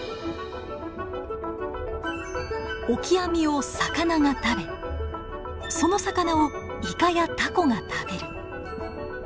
オキアミを魚が食べその魚をイカやタコが食べる。